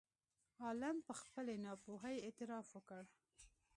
عالم په خپلې ناپوهۍ اعتراف وکړ.